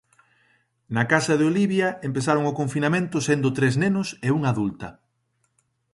Na casa de Olivia empezaron o confinamento sendo tres nenos e unha adulta.